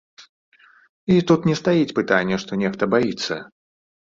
І тут не стаіць пытанне, што нехта баіцца.